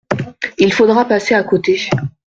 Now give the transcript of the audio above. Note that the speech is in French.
Il faudra passer à côté.